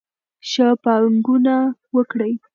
ښه پانګونه وکړئ.